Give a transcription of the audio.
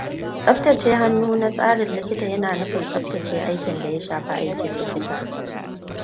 Tsabtace hannu na tsarin likita yana nufin tsabtace aikin da ya shafi aikin likita.